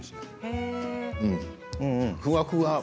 ふわふわ。